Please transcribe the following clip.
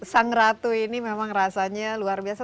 sang ratu ini memang rasanya luar biasa